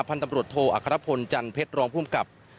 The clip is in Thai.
พันธุ์ตำรวจโทอัครพลจันทร์เพชรรองค์ภูมิกับ